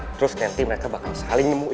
terus nanti mereka bakal saling nemuin